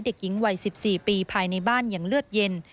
เด็กหญิงวัย๑๔ปีภายในบ้านอย่างเลือดเย็น